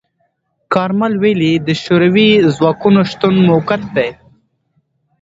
کارمل ویلي، د شوروي ځواکونو شتون موقت دی.